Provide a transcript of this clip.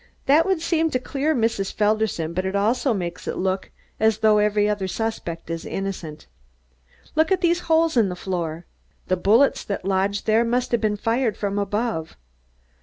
"This would seem to clear Mrs. Felderson but it also makes it look as though every other suspect is innocent. Look at these holes in the floor! The bullets that lodged there must have been fired from above.